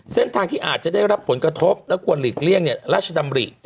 เส้นทางที่อาจจะได้รับผลกระทบแล้วกว่าหลีกเลี่ยงเนี่ยราชดำหรี่